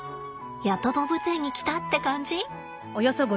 やっと動物園に来たって感じ。